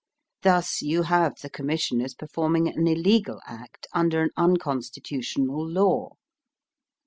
Thus you have the Commissioners performing an illegal act under an unconstitutional law.